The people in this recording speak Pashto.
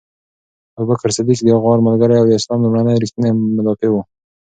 ابوبکر صدیق د غار ملګری او د اسلام لومړنی ریښتینی مدافع و.